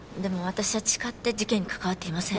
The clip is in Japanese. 私は誓って事件に関わっていません